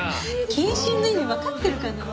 謹慎の意味わかってるかな？